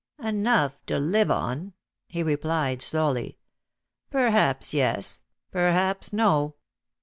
"Enough to live on?" he replied slowly. "Perhaps yes, perhaps no."